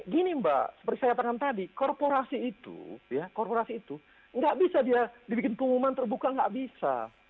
gini mbak seperti saya katakan tadi korporasi itu ya korporasi itu nggak bisa dia dibikin pengumuman terbuka nggak bisa